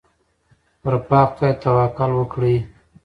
پر پاک خدای توکل وکړئ.